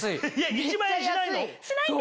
１万円しないの？